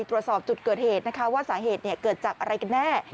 ตรวจสอบจุดเกิดเหตุนะคะว่าสาเหตุเกิดจากอะไรกันแน่